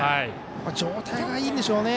状態がいいんでしょうね。